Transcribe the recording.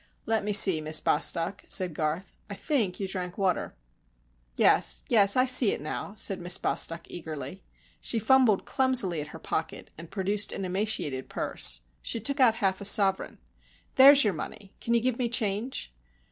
"Let me see, Miss Bostock," said Garth, "I think you drank water." "Yes, yes, I see it now," said Miss Bostock, eagerly. She fumbled clumsily at her pocket, and produced an emaciated purse. She took out half a sovereign. "There is your money. Can you give me change?"